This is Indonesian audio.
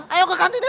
ayok ke kantin ya